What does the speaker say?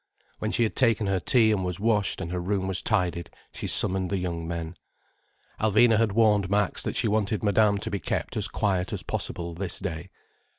When she had taken her tea and was washed and her room was tidied, she summoned the young men. Alvina had warned Max that she wanted Madame to be kept as quiet as possible this day.